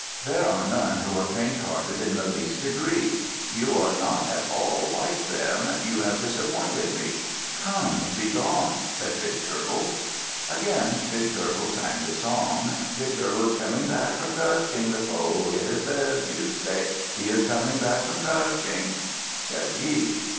There are none who are faint hearted in the least degree. You are not at all like them. You have disappointed me. Come, begone," said Big Turtle. Again Big Turtle sang the song. "Big Turtle is coming back from touching the foe, it is said, you say. He is coming back from touching," said he.